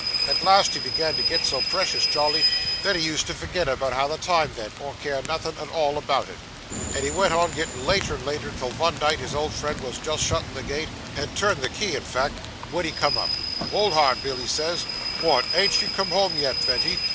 At last he began to get so precious jolly, that he used to forget how the time vent, or care nothin' at all about it, and he went on gettin' later and later, till vun night his old friend wos just a shuttin' the gate had turned the key in fact wen he come up. "Hold hard, Bill," he says. "Wot, ain't you come home yet, Tventy?"